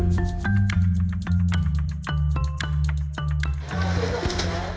sektor ekonomi pendidikan dan wisata serta rumah ibadah